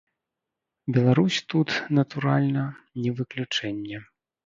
Беларусь тут, натуральна, не выключэнне.